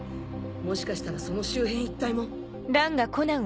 もしかしたらその周辺一帯も。